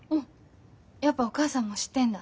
やっぱお母さんも知ってんだ。